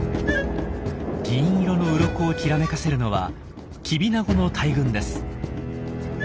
銀色のウロコをきらめかせるのはキビナゴの大群です。